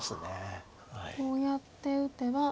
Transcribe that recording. こうやって打てば。